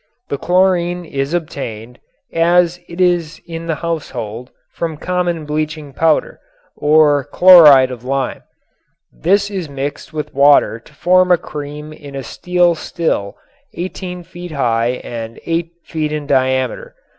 The chlorine is obtained, as it is in the household, from common bleaching powder, or "chloride of lime." This is mixed with water to form a cream in a steel still 18 feet high and 8 feet in diameter.